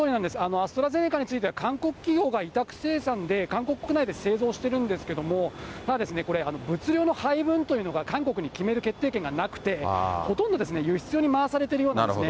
アストラゼネカについては、韓国企業が委託生産で韓国国内で製造してるんですけども、ただこれ、物流の配分というのが韓国に決める決定権がなくて、ほとんどですね、輸出に回されてるようなんですね。